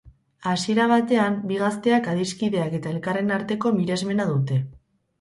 Hasiera batean, bi gazteak adiskideak eta elkarren arteko miresmena dute.